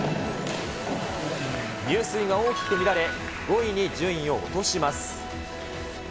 入水が大きく乱れ、５位に順位を落とします。